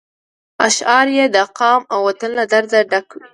اشعار یې د قام او وطن له درده ډک وي.